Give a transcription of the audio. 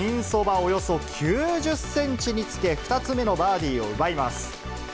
およそ９０センチにつけ、２つ目のバーディーを奪います。